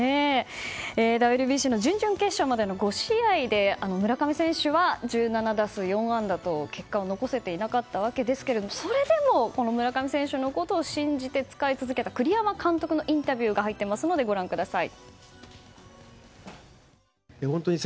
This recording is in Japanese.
ＷＢＣ準々決勝までの５試合で村上選手は１７打数４安打と結果を残せていなかったわけですがそれでも村上選手のことを信じて使い続けた栗山監督のインタビューが入ってますのでご覧ください。